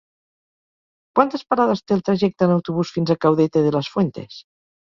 Quantes parades té el trajecte en autobús fins a Caudete de las Fuentes?